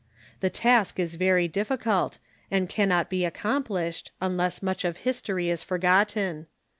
The task is very difficult, and cannot be ac complished, unless much of history is forgotten.